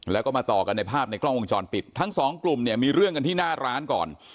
แล้วก็มาต่อกันในภาพในกล้องวงจรปิดทั้งสองกลุ่มเนี่ยมีเรื่องกันที่หน้าร้านก่อน